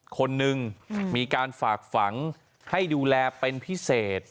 คนหนึ่งมีการฝากฝังให้ดูแลเป็นพิเศษ